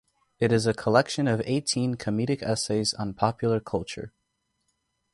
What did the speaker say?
It is a collection of eighteen comedic essays on popular culture.